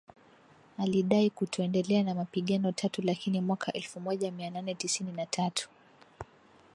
alidai kutoendelea na mapigano Tatu lakini mwaka elfu moja mia nane tisini na tatu